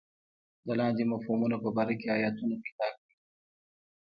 د لاندې مفهومونو په باره کې ایتونه پیدا کړئ.